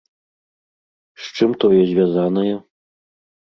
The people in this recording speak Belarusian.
З чым тое звязанае?